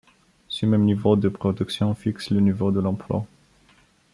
Ce même niveau de production fixe le niveau de l'emploi.